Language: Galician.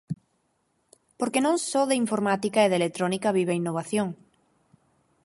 Porque non só de informática e de electrónica vive a innovación.